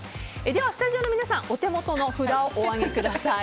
では、スタジオの皆さんお手元の札をお上げください。